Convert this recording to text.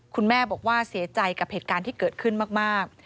คุณแม่บอกว่าเสียใจกับเหตุการณ์ที่เกิดขึ้นมาก